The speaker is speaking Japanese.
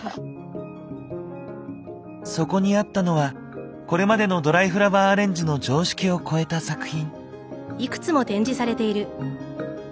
そこにあったのはこれまでのドライフラワーアレンジの常識をこえた作品。